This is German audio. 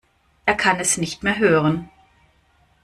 Er kann es nicht mehr hören.